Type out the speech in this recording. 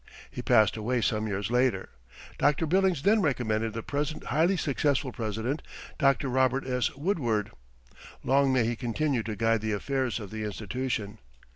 He passed away some years later. Dr. Billings then recommended the present highly successful president, Dr. Robert S. Woodward. Long may he continue to guide the affairs of the Institution!